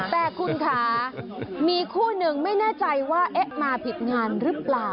แต่คุณคะมีคู่หนึ่งไม่แน่ใจว่าเอ๊ะมาผิดงานหรือเปล่า